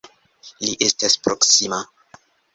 Li estas proksima!